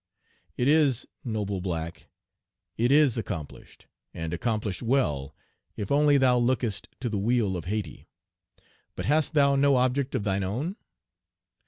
It is, noble black, it is accomplished, and accomplished well, if only thou lookest to the weal of Hayti. But hast thou no object of thine own?